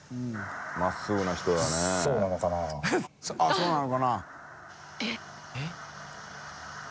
「そうなのかな」えっ？